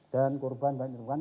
dan korban banyak yang diperlukan